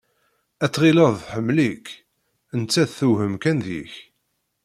Ad tɣilleḍ tḥemmel-ik, nettat tewhem kan deg-k.